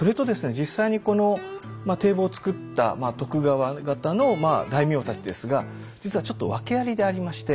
実際にこの堤防を造った徳川方の大名たちですが実はちょっと訳ありでありまして。